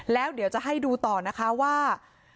แล้วเดี๋ยวจะให้ดูต่อนะคะว่า